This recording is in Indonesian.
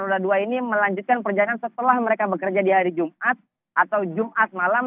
roda dua ini melanjutkan perjalanan setelah mereka bekerja di hari jumat atau jumat malam